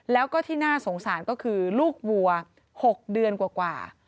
แล้วก็ที่น่าสงสารก็คือลูกวัว๖เดือนกว่า